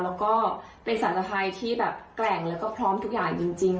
แล้วก็เป็นสารภัยที่แบบแกร่งแล้วก็พร้อมทุกอย่างจริง